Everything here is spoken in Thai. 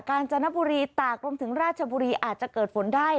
การจนบุรีตากรวมถึงราชบุรีอาจจะเกิดฝนได้